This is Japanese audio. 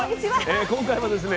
今回はですね